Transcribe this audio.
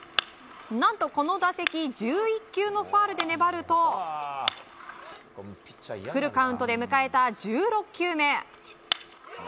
何と、この打席１１球のファウルで粘るとフルカウントで迎えた１６球目。